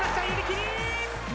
寄り切り。